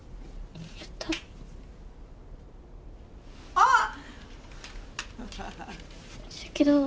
あっ！